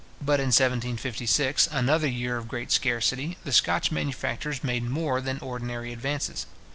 But in 1756, another year of great scarcity, the Scotch manufactures made more than ordinary advances.